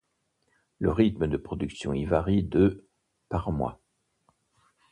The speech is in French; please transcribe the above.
Le rythme de production y varie de par mois.